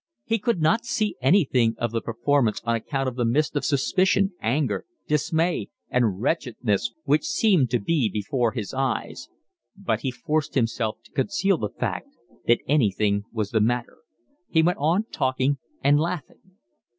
He could not see anything of the performance on account of the mist of suspicion, anger, dismay, and wretchedness which seemed to be before his eyes; but he forced himself to conceal the fact that anything was the matter; he went on talking and laughing.